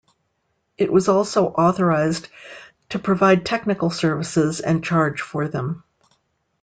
It was also authorized to provide technical services and charge for them.